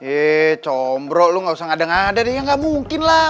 eh combro lo gausah ngadeng adeng ya ga mungkin lah